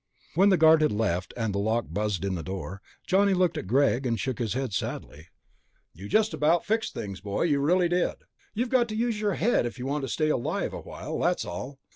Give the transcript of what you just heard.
When the guard had left, and the lock buzzed in the door, Johnny looked at Greg and shook his head sadly. "You just about fixed things, boy, you really did. You've got to use your head if you want to stay alive a while, that's all.